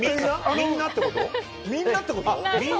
みんなってこと？